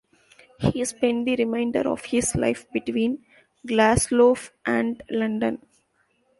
He spent the remainder of his life between Glaslough and London.